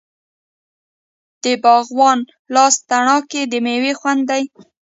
د باغوان لاس تڼاکې د میوې خوند دی.